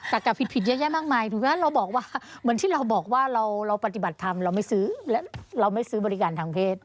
เหมือนที่เราบอกว่าเราปฏิบัติทำเราไม่ซื้อบริการทางเพศ